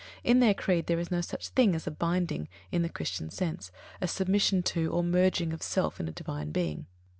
In their creed there is no such thing as a "binding" in the Christian sense a submission to or merging of self in a Divine Being.